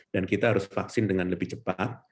dan kita harus vaksin dengan lebih cepat